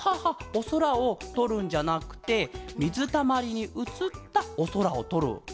おそらをとるんじゃなくてみずたまりにうつったおそらをとるケロね。